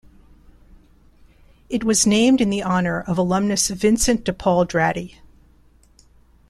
It was named in the honor of alumnus Vincent dePaul Draddy.